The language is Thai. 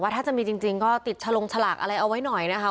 ถ้าจะมีจริงก็ติดฉลงฉลากอะไรเอาไว้หน่อยนะคะ